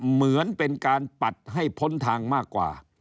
เหมือนเป็นการปัดให้พ้นทางมากกว่า